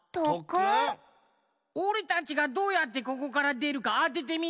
おれたちがどうやってここからでるかあててみな！